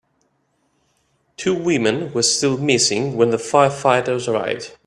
Two women were still missing when the firefighters arrived.